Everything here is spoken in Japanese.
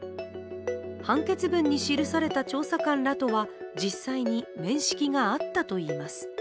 判決文に知るされた調査官らとは実際に面識があったといいます。